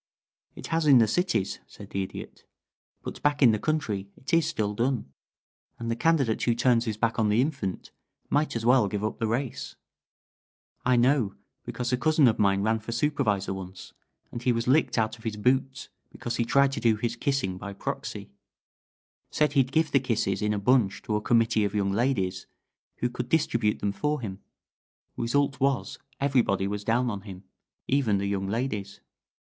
"It has in the cities," said the Idiot. "But back in the country it is still done, and the candidate who turns his back on the infant might as well give up the race. I know, because a cousin of mine ran for supervisor once, and he was licked out of his boots because he tried to do his kissing by proxy said he'd give the kisses in a bunch to a committee of young ladies, who could distribute them for him. Result was everybody was down on him even the young ladies."